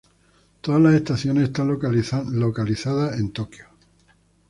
Todas las estaciones están localizando en Tokio.